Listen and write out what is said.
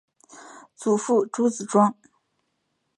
祖父朱子庄。